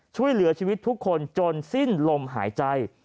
ช่วยเหลือชีวิตทุกคนจนสิ้นลมหายใจ